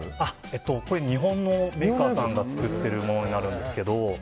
日本のメーカーさんが作ってるものになるんですけど。